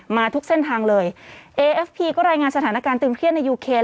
มาทุกเส้นทางเลยเอเอฟพีก็รายงานสถานการณ์ตึงเครียดในยูเคน